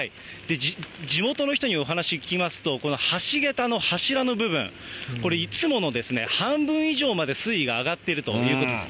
地元の人にお話を聞きますと、この橋げたの柱の部分、これ、いつもの半分以上迄水位が上がっているということです。